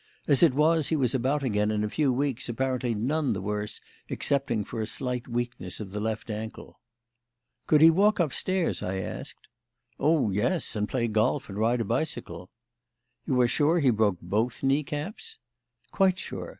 As it was, he was about again in a few weeks, apparently none the worse excepting for a slight weakness of the left ankle." "Could he walk upstairs?" I asked. "Oh, yes; and play golf and ride a bicycle." "You are sure he broke both knee caps?" "Quite sure.